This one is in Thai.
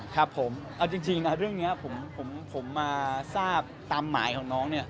ครับผมเอาจริงนะเรื่องนี้ผมมาทราบตามหมายของน้องเนี่ย